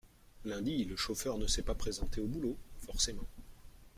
lundi, le chauffeur ne s’est pas présenté au boulot, forcément.